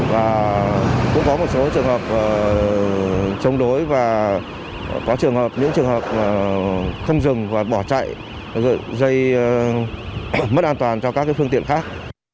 và cũng có một số trường hợp chống đối và có những trường hợp không dừng và bỏ chạy dây mất an toàn cho các phương tiện khác